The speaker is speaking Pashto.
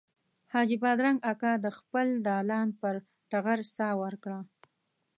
حاجي بادرنګ اکا د خپل دالان پر ټغر ساه ورکړه.